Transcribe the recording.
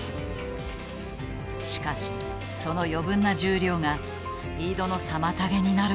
しかしその余分な重量がスピードの妨げになるかもしれない。